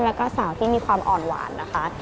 แล้วก็สาวที่มีความอ่อนหวานนะคะ